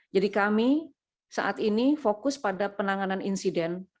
jadi kami saat ini fokus pada penanganan insiden